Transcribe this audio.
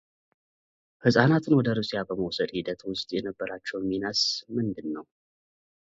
ህጻናቱን ወደ ሩሲያ በመውሰድ ሂደት ውስጥ የነበራቸው ሚናስ ምንድን ነው?